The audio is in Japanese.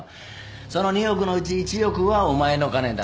その２億のうち１億はお前の金だ。